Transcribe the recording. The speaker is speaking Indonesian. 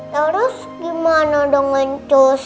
terus gimana dengan cos